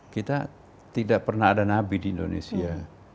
kita tidak pernah ada nabi di indonesia